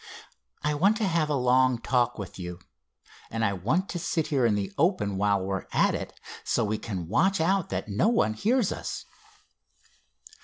"I want to have a long talk with you, and I want to sit here in the open while we're at it, so we can watch out that no one hears us."